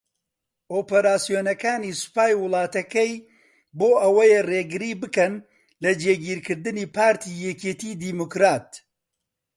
ئۆپەراسیۆنەکانی سوپای وڵاتەکەی بۆ ئەوەیە رێگری بکەن لە جێگیرکردنی پارتی یەکێتی دیموکرات